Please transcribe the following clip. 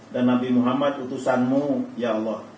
dan nabi muhammad utusanmu ya allah